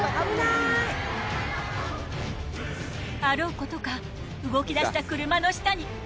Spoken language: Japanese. あろうことか動き出した車の下に。